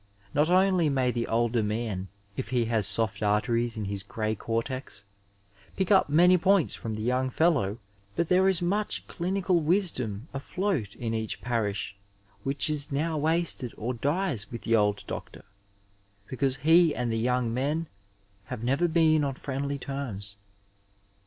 Not only may the older man, if he has soft arteries in his grey cortex, pick up many points 298 Digitized by Google CHAUVINISM IN MEDICINE from the young fellow, but there is much dinioal wisdom afloat in each parish which is now wasted or dies with the old doctor, because he and the young men have never been on friendly terms.